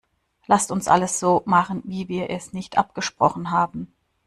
Lasst uns alles so machen, wie wir es nicht abgesprochen haben!